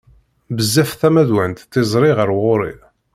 Bezzaf d tamadwant tiẓri ɣer ɣur-i.